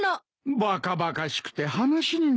バカバカしくて話にならん。